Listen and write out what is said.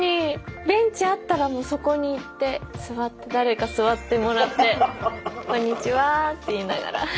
ベンチあったらもうそこに行って誰か座ってもらって「こんにちは」って言いながら。